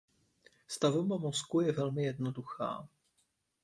Stavba mozku je velmi jednoduchá.